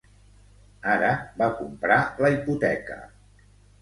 Ara va comprar la hipoteca.